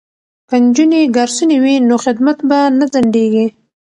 که نجونې ګارسونې وي نو خدمت به نه ځنډیږي.